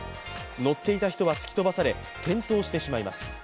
乗っていた人は突き飛ばされ、転倒してしまいます。